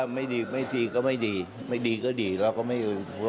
ไม่ดีก็ไม่ดีไม่ดีก็ดีเราก็ไม่